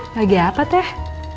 lagi apa teh